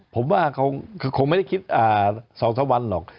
ผมว่าเขาคงไม่ได้คิดสองสามวันหรอก